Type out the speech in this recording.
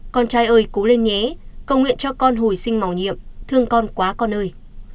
con trai ơi cũng lên nhé cầu nguyện cho con hồi sinh màu nhiệm thương con quá con ơi